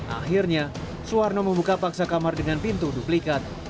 akhirnya suwarno membuka paksa kamar dengan pintu duplikat